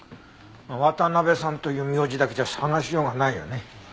渡辺さんという名字だけじゃ捜しようがないよね。